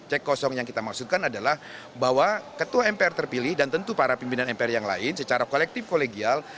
cek kosong yang kita maksudkan adalah bahwa ketua mpr terpilih dan tentu para pimpinan mpr yang lain secara kolektif kolegial